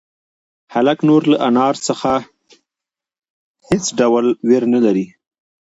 هلک نور له انا څخه هېڅ ډول وېره نه لري.